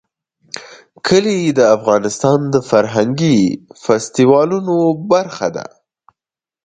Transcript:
کلي د افغانستان د فرهنګي فستیوالونو برخه ده.